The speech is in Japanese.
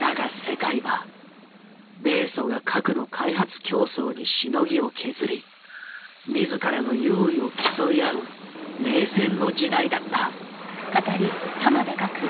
だが世界は米ソが核の開発競争にしのぎを削り自らの優位を競い合う冷戦の時代だった。